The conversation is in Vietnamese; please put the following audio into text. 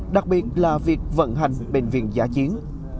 đặc biệt là việc vận hành bệnh viện giả chiến